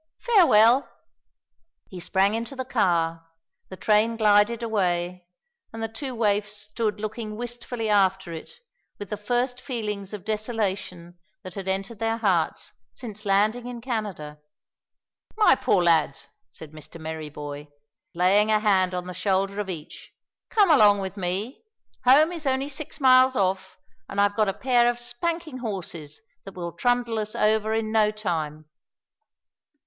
Farewell." He sprang into the car, the train glided away, and the two waifs stood looking wistfully after it with the first feelings of desolation that had entered their hearts since landing in Canada. "My poor lads," said Mr Merryboy, laying a hand on the shoulder of each, "come along with me. Home is only six miles off, and I've got a pair of spanking horses that will trundle us over in no time."